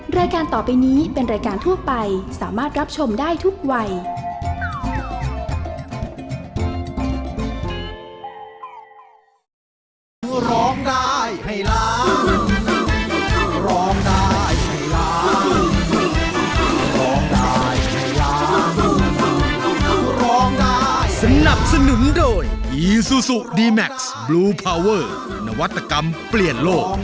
รายการต่อไปนี้เป็นรายการทั่วไปสามารถรับชมได้ทุกวัย